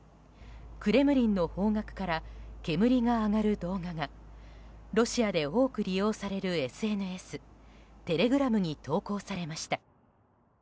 クレムリンの方角から煙が上がる動画がロシアで多く利用されるＳＮＳテレグラムに投稿されました。